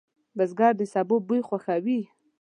بزګر د سبو بوی خوښوي